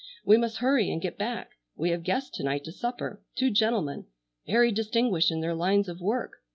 We must hurry and get back. We have guests to night to supper, two gentlemen, very distinguished in their lines of work.